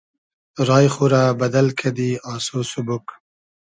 رای خو رۂ بئدئل کئدی آسۉ سوبوگ